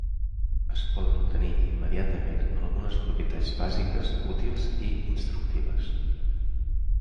Es poden obtenir immediatament algunes propietats bàsiques útils i instructives.